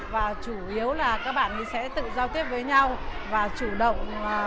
và chủ yếu là các bạn sẽ tự giao tiếp với nhau và chủ động